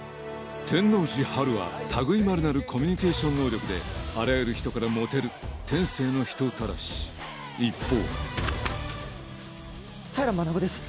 天王寺陽は類いまれなるコミュニケーション能力であらゆる人からモテる天性の人たらし一方平学です